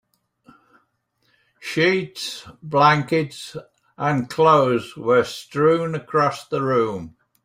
Sheets, blankets, and clothes were strewn across the room.